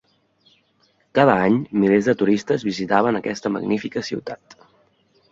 Cada any, milers de turistes visitaven aquesta magnífica ciutat.